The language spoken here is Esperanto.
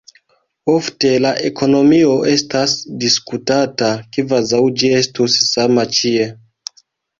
Ofte la ekonomio estas diskutata kvazaŭ ĝi estus sama ĉie.